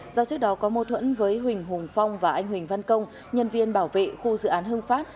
do trước đó có mâu thuẫn với huỳnh hùng phong và anh huỳnh văn công nhân viên bảo vệ khu dự án hưng phát